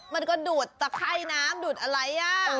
มันก็ดูดตะไคร่น้ำดูดอะไร